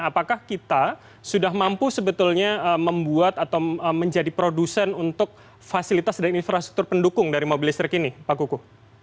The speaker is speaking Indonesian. apakah kita sudah mampu sebetulnya membuat atau menjadi produsen untuk fasilitas dan infrastruktur pendukung dari mobil listrik ini pak kuku